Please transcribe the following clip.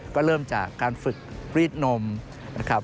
ก็เริ่มจากการฝึกรีดนมนะครับ